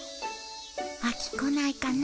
秋来ないかな。